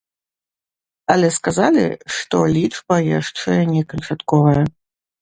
Але сказалі, што лічба яшчэ не канчатковая.